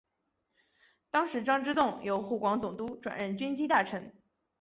当时张之洞由湖广总督转任军机大臣。